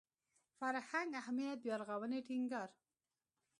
فرهنګ اهمیت بیارغاونې ټینګار